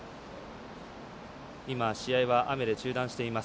試合は雨で中断しています。